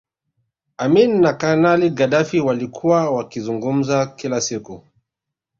Amin na Kanali Gaddafi walikuwa wakizungumza kila siku